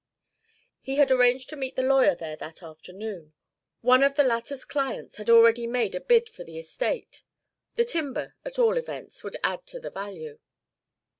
He had arranged to meet the lawyer there that afternoon. One of the latter's clients had already made a bid for the estate. The timber, at all events, would add to the value.